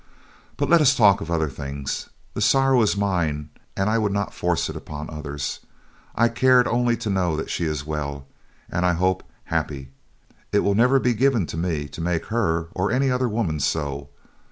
But, let us talk of other things. The sorrow is mine and I would not force it upon others. I cared only to know that she is well, and, I hope, happy. It will never be given to me to make her or any other woman so.